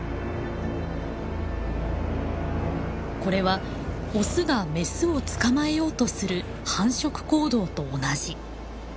これはオスがメスを捕まえようとする繁殖行動と同じ。